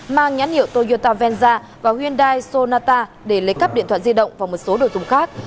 mang nhãn hiệu toyota venja và hyundai sonata để lấy cắp điện thoại di động và một số đồ dùng khác